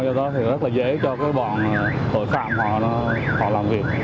do đó thì rất là dễ cho bọn tội phạm họ làm việc